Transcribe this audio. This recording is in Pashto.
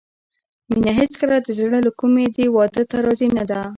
مينه هېڅکله د زړه له کومې دې واده ته راضي نه ده